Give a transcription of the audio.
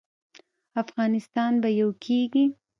افغانستان به یو کیږي